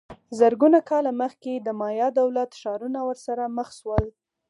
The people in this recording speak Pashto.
زرګونه کاله مخکې د مایا دولت ښارونه ورسره مخ سول